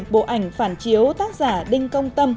bộ ảnh phản chiếu tác giả đinh công tâm